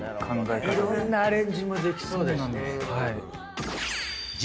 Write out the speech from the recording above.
いろんなアレンジもできそうだしね。